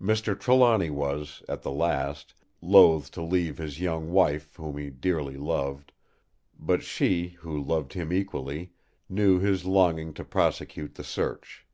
"Mr. Trelawny was, at the last, loth to leave his young wife whom he dearly loved; but she, who loved him equally, knew his longing to prosecute the search.